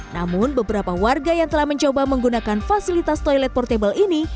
namun beberapa warga yang telah mencoba menggunakan fasilitas toilet portable ini